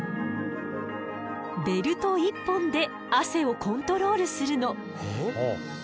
ベルト１本で汗をコントロールするの。